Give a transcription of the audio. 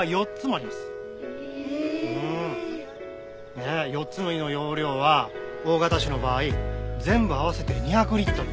ねえ４つの胃の容量は大型種の場合全部合わせて２００リットル。